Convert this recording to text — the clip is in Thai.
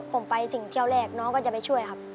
ผมไปถึงเที่ยวแรกน้องก็จะไปช่วยครับ